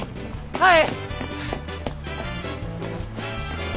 はい！